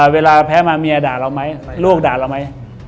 เวลาแพ้มาเมียด่าเราไหมลูกด่าเราไหม